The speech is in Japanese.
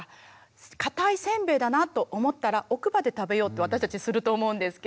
かたいせんべいだなと思ったら奥歯で食べようって私たちすると思うんですけれども。